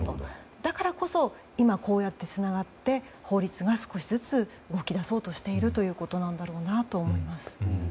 だからこそ今、こうやってつながって法律が少しずつ動き出そうとしているということだと思います。